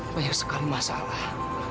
banyak sekali masalah